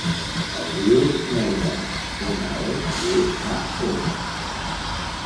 Es diu Megan: ema, e, ge, a, ena.